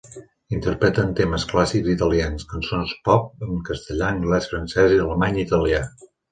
Interpreten temes clàssics italians, cançons pop en castellà, anglès, francès, alemany i italià.